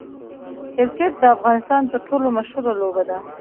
کرکټ د افغانستان تر ټولو مشهوره لوبه ده.